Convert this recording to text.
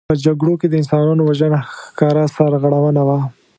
په جګړو کې د انسانانو وژنه ښکاره سرغړونه وه.